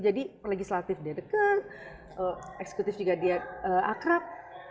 jadi legislatif dia dekat eksekutif juga dia akrab